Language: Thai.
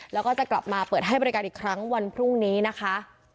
แล้วก็จะกลับมาเปิดให้บริการอีกครั้งวันพรุ่งนี้นะคะ